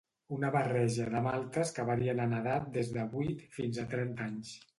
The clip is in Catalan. Una barreja de maltes que varien en edat des de vuit fins a trenta anys.